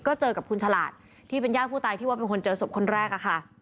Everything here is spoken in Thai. ก็เจอกับคุณฉลาดที่เป็นญาติผู้ตายที่ว่าเป็นคนเจอศพคนแรกอะค่ะ